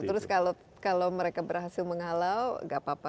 terus kalau mereka berhasil menghalau gak apa apa